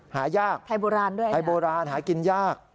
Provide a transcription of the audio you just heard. หายากไทยโบราณด้วยไทยโบราณหากินยาก